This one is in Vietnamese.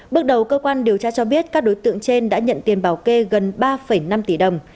bước đầu cơ quan điều tra cho biết các đối tượng trên đã nhận tiền bảo kê gần ba năm tỷ đồng